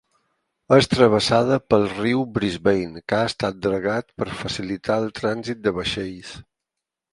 És travessada pel riu Brisbane, que ha estat dragat per facilitar el trànsit de vaixells.